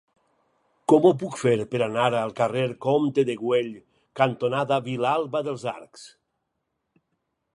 Com ho puc fer per anar al carrer Comte de Güell cantonada Vilalba dels Arcs?